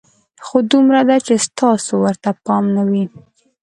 خو دومره ده چې ستاسو ورته پام نه وي.